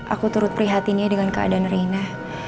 aku turut prihatinnya dengan keadaan reina